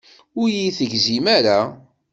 Ur iyi-tegzim ara.